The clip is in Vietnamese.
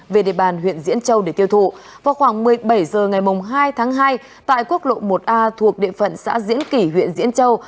về địa bàn huyện diễn châu để tiêu thụ vào khoảng một mươi bảy h ngày hai tháng hai tại quốc lộ một a thuộc địa phận xã diễn kỷ huyện diễn châu